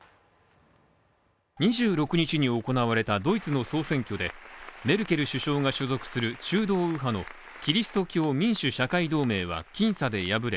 ２６日に行われたドイツの総選挙でメルケル首相が所属する中道右派のキリスト教民主・社会同盟は僅差で敗れ